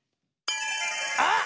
あっ！